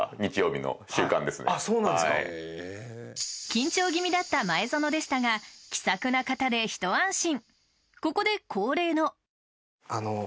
緊張気味だった前園でしたが気さくな方で一安心。